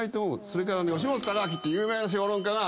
それからね吉本隆明って有名な評論家が。